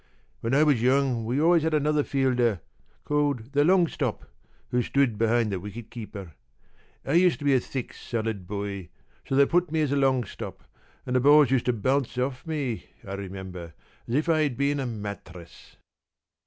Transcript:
When I was young we always had another fielder, called the long stop, who stood behind the wicket keeper. I used to be a thick, solid boy, so they put me as long stop, and the balls used to bounce off me, I remember, as if I had been a mattress."